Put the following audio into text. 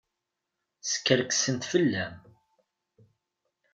Skerksent fell-am.